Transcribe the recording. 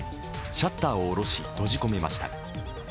シャッターを下ろし、閉じ込めました。